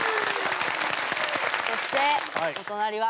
そしてお隣は。